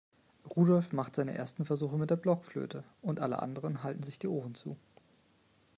Rudolf macht seine ersten Versuche mit der Blockflöte und alle anderen halten sich die Ohren zu.